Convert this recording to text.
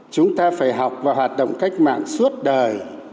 chúng ta phải học và hoạt động cách mạng suốt đời